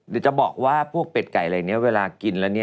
เดี๋ยวจะบอกว่าพวกเป็ดไก่อะไรเนี่ยเวลากินแล้วเนี่ย